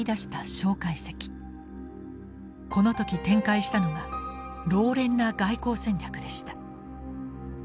この時展開したのが老練な外交戦略でした。